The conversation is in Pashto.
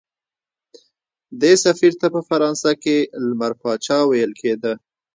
دې سفیر ته په فرانسه کې لمر پاچا ویل کېده.